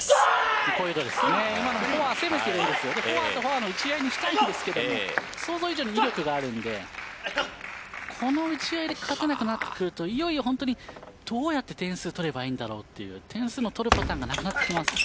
フォアとフォアの打ち合いにしたいんですけど想像以上に威力があるのでこの打ち合いで勝てなくなると本当にどうやって点数を取ればいいんだろうと点数の取るパターンがなくなってしまいます。